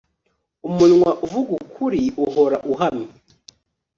umunwa uvuga ukuri uhora uhamye